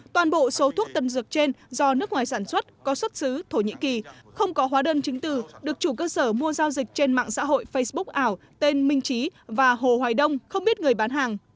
toàn bộ số thuốc tân dược trên do nước ngoài sản xuất có xuất xứ thổ nhĩ kỳ không có hóa đơn chứng từ được chủ cơ sở mua giao dịch trên mạng xã hội facebook ảo tên minh trí và hồ hoài đông không biết người bán hàng